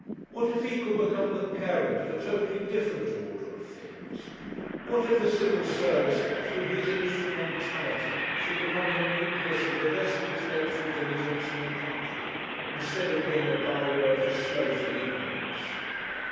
What if he could become the parent of a totally different order of things! What if the Civil Service, through his instrumentality, should become the nucleus of the best intellectual diligence in the country, instead of being a byword for sloth and ignorance!